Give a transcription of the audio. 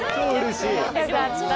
よかった。